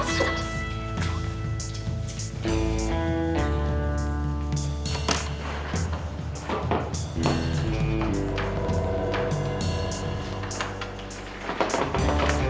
selamat siang bi alara